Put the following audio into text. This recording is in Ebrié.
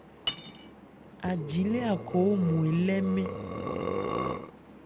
Aji lê Akho ɔ́nmɔn elɛ́ nmɛ́n.